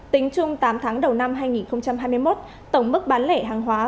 tính chung tám tháng đầu năm hai nghìn hai mươi một tổng mức bán lẻ hàng hóa